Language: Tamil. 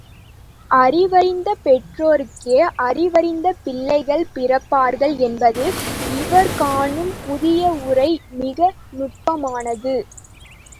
அறிவறிந்த பெற்றோர்க்கே அறிவறிந்த பிள்ளைகள் பிறப்பார்கள் என்பது இவர் காணும் புதியவுரை மிக நுட்பமானது.